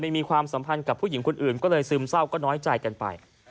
มีความสัมพันธ์กับผู้หญิงคนอื่นก็เลยซึมเศร้าก็น้อยใจกันไป